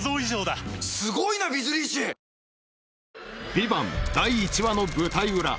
「ＶＩＶＡＮＴ」第１話の舞台裏